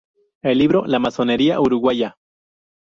El libro "La masonería uruguaya.